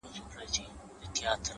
د ميني پر كوڅه ځي ما يوازي پــرېـــږدې،